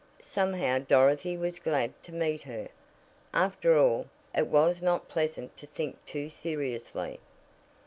Somehow Dorothy was glad to meet her. After all, it was not pleasant to think too seriously.